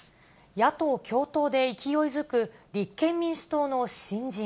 野党共闘で勢いづく立憲民主党の新人。